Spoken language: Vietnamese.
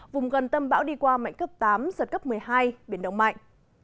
vùng gần tâm bão đi qua mạnh cấp tám giật cấp một mươi hai biển động mạnh